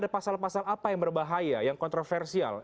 pasal pasal apa yang berbahaya yang kontroversial